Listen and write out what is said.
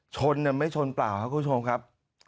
ชนไม่ชนเปล่าครับคุณผู้ชมครับ